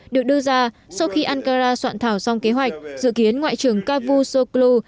được đưa ra sau khi ankara soạn thảo xong kế hoạch dự kiến ngoại trưởng kavu soklu